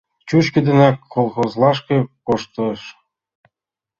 Чӱчкыдынак колхозлашке коштеш.